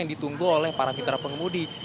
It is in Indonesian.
yang ditunggu oleh para fitra pengemudi